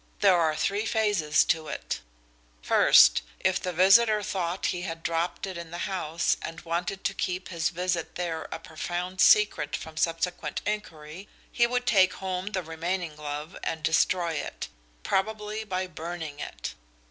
There are three phases to it: first, if the visitor thought he had dropped it in the house and wanted to keep his visit there a profound secret from subsequent inquiry he would take home the remaining glove and destroy it probably by burning it.